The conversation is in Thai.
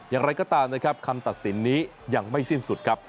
อย่างไรก็ตามนะครับคำตัดสินนี้ยังไม่สิ้นสุดครับ